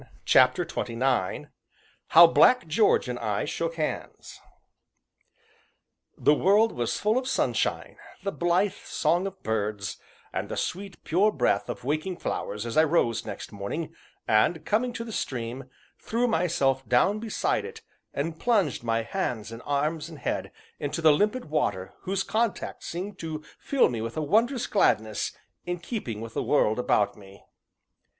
CHAPTER XXIX HOW BLACK GEORGE AND I SHOOK HANDS The world was full of sunshine, the blithe song of birds, and the sweet, pure breath of waking flowers as I rose next morning, and, coming to the stream, threw myself down beside it and plunged my hands and arms and head into the limpid water whose contact seemed to fill me with a wondrous gladness in keeping with the world about me.